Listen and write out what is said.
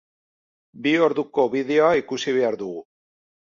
Bi orduko bideoa ikusi behar dugu.